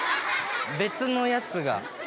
別のやつが。